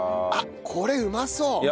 あっこれうまそう！